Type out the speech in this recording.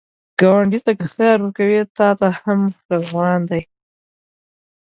ګاونډي ته که خیر ورکوې، تا ته هم راروان دی